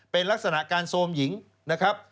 เป็นลักษณะการโซมหญิงนะครับ